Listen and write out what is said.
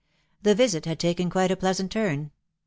The visit had taken quite a pleasant turn.